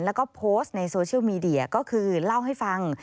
แล้วก็โพสต์ในโซเชียลมีเดียก็คือเล่าให้ฟัง